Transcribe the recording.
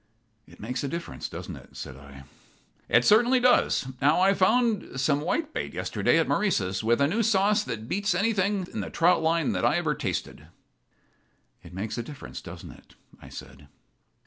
"It makes a difference, doesn't it?" said I. "It certainly does. Now, I found some whitebait yesterday, at Maurice's, with a new sauce that beats anything in the trout line I ever tasted." "It makes a difference, doesn't it?" I said.